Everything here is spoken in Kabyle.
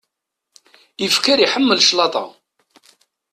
Ifker iḥemmel claḍa.